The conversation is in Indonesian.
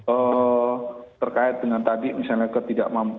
ee terkait dengan tadi misalnya ketidakmampuan